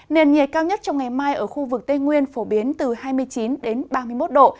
nền nhiệt cao nhất trong ngày mai ở khu vực tây nguyên phổ biến từ hai mươi chín đến ba mươi một độ